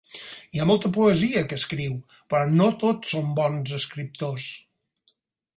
Hi ha molta poesia que escriu, però no tots són bons escriptors.